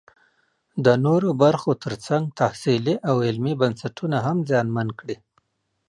د نورو برخو ترڅنګ تحصیلي او علمي بنسټونه هم زیانمن کړي